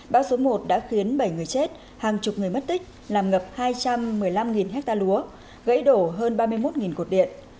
bão số một đã khiến bảy người chết hàng chục người mất tích làm ngập hai trăm một mươi năm ha lúa gãy đổ hơn ba mươi một cột điện